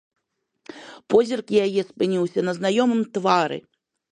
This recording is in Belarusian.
Позірк яе спыніўся на знаёмым твары.